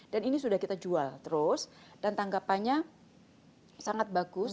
dan ini sudah kita jual terus dan tanggapannya sangat bagus